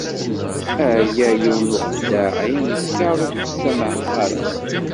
Ah ya yiwen n uxeddaɛ, ay anekkar, ur k-ttsamaḥeɣ ara.